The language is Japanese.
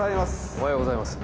おはようございます。